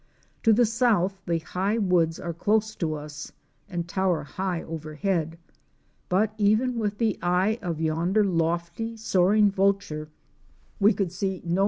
To the south the high woods are close to us and tower high overhead, but even with the eye of yonder lofty, soaring Vulture we could see no 62 OUR SEARCH FOR A WILDERNESS.